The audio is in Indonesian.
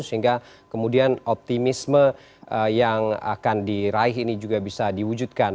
sehingga kemudian optimisme yang akan diraih ini juga bisa diwujudkan